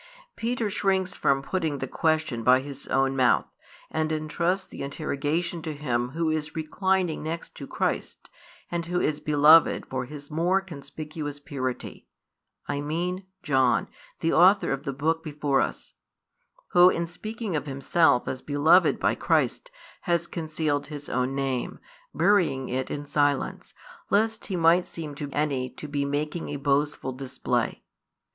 Peter shrinks from putting the question by his own mouth, and entrusts the interrogation to him who is reclining next to Christ and who is beloved for his more conspicuous purity, I mean John, the author of the book before us; who, in speaking of himself as beloved by Christ, has concealed his own name, burying it in silence, lest he might seem to any to be making a boastful display.